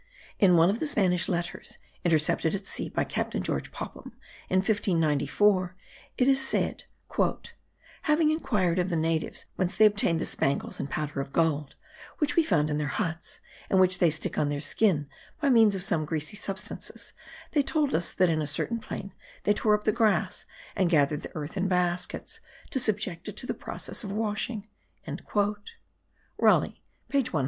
In one of the Spanish letters intercepted at sea by Captain George Popham, in 1594, it is said, "Having inquired of the natives whence they obtained the spangles and powder of gold, which we found in their huts, and which they stick on their skin by means of some greasy substances, they told us that in a certain plain they tore up the grass, and gathered the earth in baskets, to subject it to the process of washing." Raleigh page 109.